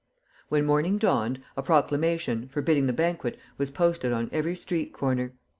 When morning dawned, a proclamation, forbidding the banquet, was posted on every street corner.